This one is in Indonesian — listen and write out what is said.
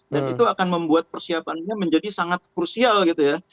dan itu akan membuat persiapannya menjadi sangat krusial gitu ya